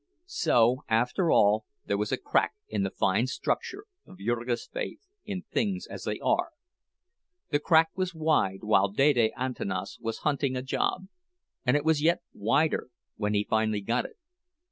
So, after all, there was a crack in the fine structure of Jurgis' faith in things as they are. The crack was wide while Dede Antanas was hunting a job—and it was yet wider when he finally got it.